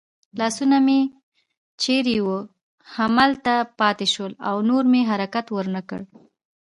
لاسونه مې چېرې وو همالته پاتې شول او نور مې حرکت ور نه کړ.